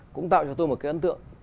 cũng tạo cho tôi một cái ấn tượng